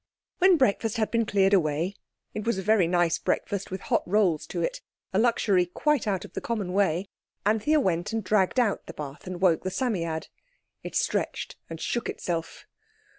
When breakfast had been cleared away—it was a very nice breakfast with hot rolls to it, a luxury quite out of the common way—Anthea went and dragged out the bath, and woke the Psammead. It stretched and shook itself.